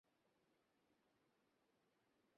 আপনি আসবেন তা জানা ছিল না।